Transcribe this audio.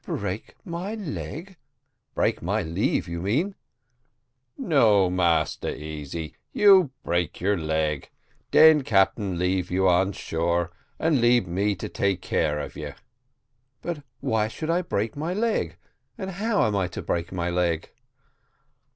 "Break my leg! break my leave, you mean?" "No, Massa Easy you break your leg den captain leave you shore, and leave me take care of you." "But why should I break my leg, and how am I to break my leg?"